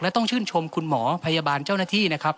และต้องชื่นชมคุณหมอพยาบาลเจ้าหน้าที่นะครับ